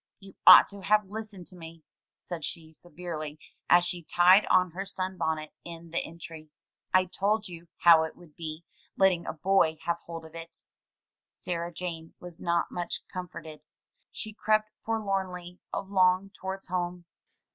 "You'd ought to have listened to me,*' said she, severely, as she tied on her sun bonnet in the entry. " I told you how it would be, letting a boy have hold of it." Sarah Jane was not much comforted. She crept forlornly along towards home.